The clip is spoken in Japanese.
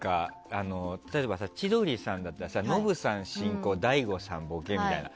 例えば千鳥さんだったらノブさん進行大悟さんボケみたいな。